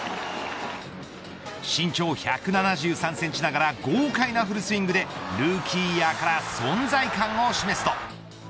身長１７３センチながら豪快なフルスイングでルーキーイヤーから存在感を示すと。